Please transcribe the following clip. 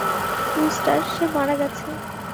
Rooster, সে মারা গেছে।